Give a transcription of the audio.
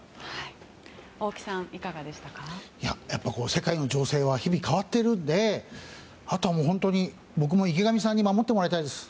世界の情勢は日々変わっているのであとは本当に僕も池上さんに守ってもらいたいです。